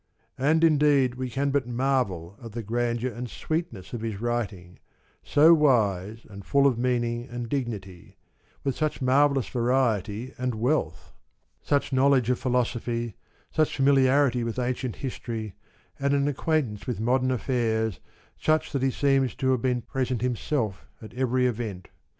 And indeed we can but marvel at the grandeur and sweetness of his writing, so wise and full of meaning and dignity, with such marvellous variety and wealth, such knowledge of philosophy, such familiarity with ancient history, and an acquaintance with modern affairs such that he seems to have been present himself at every event.